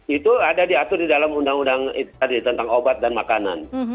itu ada diatur di dalam undang undang tadi tentang obat dan makanan